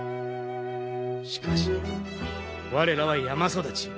しかし我らは山育ち。